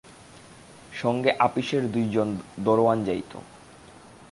সঙ্গে আপিসের দুইজন দরোয়ান যাইত।